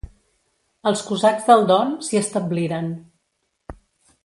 Els cosacs del Don s'hi establiren.